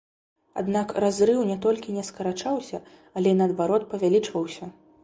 Аднак разрыў не толькі не скарачаўся, але, наадварот, павялічваўся.